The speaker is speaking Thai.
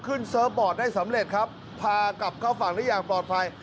เซิร์ฟบอร์ดได้สำเร็จครับพากลับเข้าฝั่งได้อย่างปลอดภัย